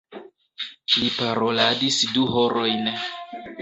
Li paroladis du horojn.